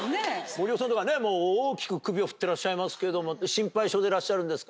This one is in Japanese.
森尾さんとか大きく首を振ってらっしゃいますけども心配性でらっしゃるんですか？